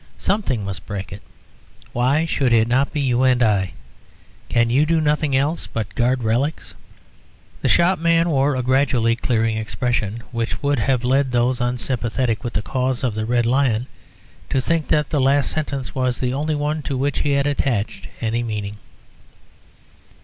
Something must break it. Why should it not be you and I? Can you do nothing else but guard relics?" The shopman wore a gradually clearing expression, which would have led those unsympathetic with the cause of the Red Lion to think that the last sentence was the only one to which he had attached any meaning.